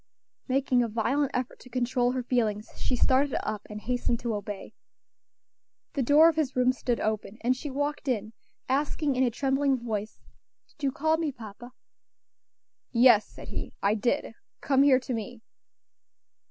Making a violent effort to control her feelings, she started up and hastened to obey. The door of his room stood open, and she walked in, asking in a trembling voice, "Did you call me, papa?" "Yes," said he, "I did. Come here to me."